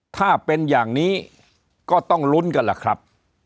ถ้าเป็นอย่างนี้ก็ต้องลุ้นกันล่ะครับ